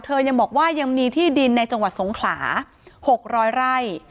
ยังบอกว่ายังมีที่ดินในจังหวัดสงขลา๖๐๐ไร่